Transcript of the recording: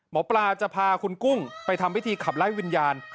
หมอปลาจะพาคุณกุ้งไปทำพิธีขับไล่วิญญาณ